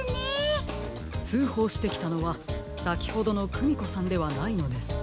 つうほうしてきたのはさきほどのクミコさんではないのですか？